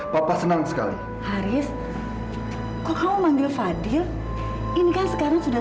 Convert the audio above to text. boleh nggak saya minjem chargernya